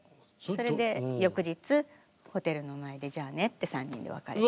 それで翌日ホテルの前でじゃあねって３人で別れて。